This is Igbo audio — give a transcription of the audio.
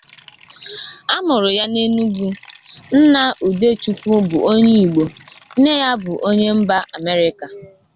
A mụrụ ya n'Enugu, Nna Udechukwu bụ onye Igbo nne ya bụ onye mba America.